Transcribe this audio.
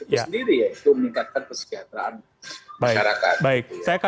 yaitu meningkatkan kesejahteraan masyarakat